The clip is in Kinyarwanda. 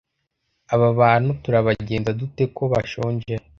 aba bantu turabagenza dute ko bashonje